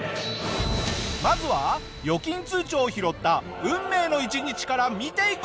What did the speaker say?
まずは預金通帳を拾った運命の一日から見ていこう！